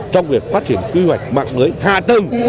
trong việc phát triển quy hoạch mạng lưới hạ tầng